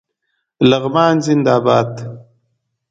لغمان زنده باد